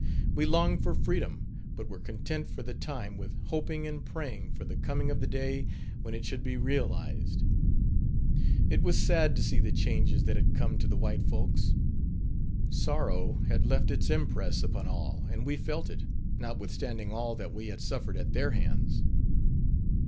We longed for freedom, but were content for the time with hoping and praying for the coming of the day when it should be realized. It was sad to see the changes that had come to the white folks. Sorrow had left its impress upon all and we felt it, notwithstanding all that we had suffered at their hands.